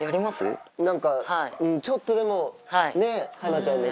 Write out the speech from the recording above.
何かちょっとでもねっ。